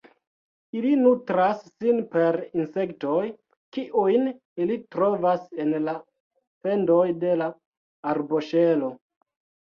Ili nutras sin per insektoj, kiujn ili trovas en la fendoj de arboŝelo.